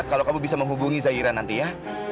kalau kamu bisa menghubungi zaira nanti ya